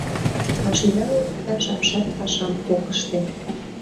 Машина олмыкташ апшат пашам ок ыште.